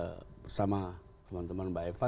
dan kita kan bersama teman teman mbak eva